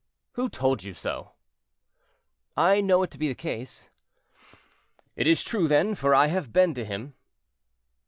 "Who told you so?" "I know it to be the case." "It is true, then, for I have been to him."